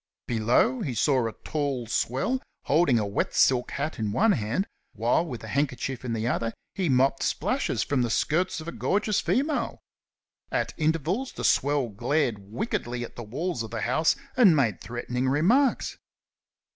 Below he saw a tall swell holding a wet silk hat in one hand, while with a handkerchief in the other he mopped splashes from the skirts of a gorgeous female. At intervals the swell glared wickedly at the walls of the house and made threatening remarks.